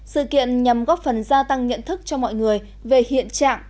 sự kiện nhằm góp phần gia tăng nhận thức cho mọi người về hiện trạng